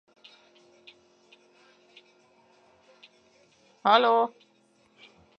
Egyre nagyobb erőfeszítésekbe került fenntartania az egyház függetlenségét Odoakerrel és a keletrómai császárral szemben.